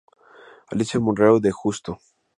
Alicia Moreau de Justo.